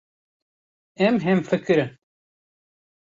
Em hemfikir in.